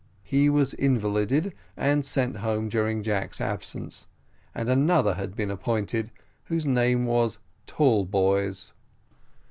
He was invalided and sent home during Jack's absence, and another had been appointed, whose name was Tallboys.